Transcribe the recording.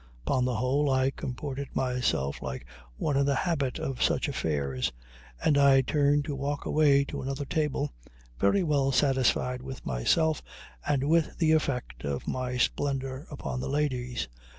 Upon the whole I comported myself like one in the habit of such affairs, and I turned to walk away to another table, very well satisfied with myself and with the effect of my splendor upon the ladies.